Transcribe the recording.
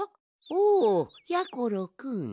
おやころくん。